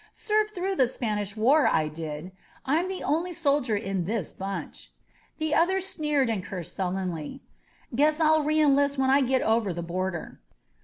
"Served through the Spanish War, I did. I'm the only soldier in this bunch." The others sneered and cursed sullenly. "Guess I'll reenlist when I get over the bor der."